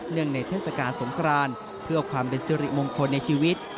งในเทศกาลสงครานเพื่อความเป็นสิริมงคลในชีวิต